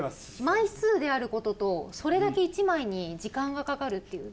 枚数である事とそれだけ１枚に時間がかかるっていう。